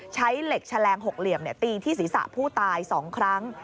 ใช้เหล็กแฉลง๖เหลี่ยมตีที่ศีรษะผู้ตาย๒ครั้ง